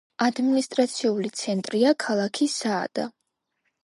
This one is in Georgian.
ადმინისტრაციული ცენტრია ქალაქი საადა.